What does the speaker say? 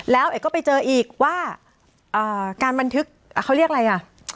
แล้วเอกก็ไปเจออีกว่าการบันทึกเขาเรียกอะไรอ่ะ